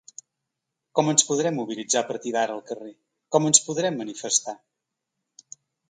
Com ens podrem mobilitzar a partir d’ara al carrer, com ens podrem manifestar?